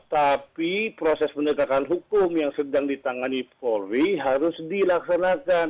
tapi proses penegakan hukum yang sedang ditangani polri harus dilaksanakan